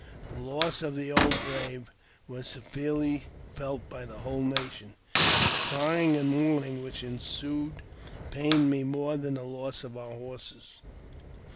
The loss of the old brave; was severely felt by the whole nation. The crying and mourn ing which ensued pained me more than the loss of our horses.